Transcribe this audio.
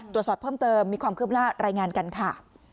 ตรวจสอบเพิ่มเติมมีความคืบหน้ารายงานกันค่ะ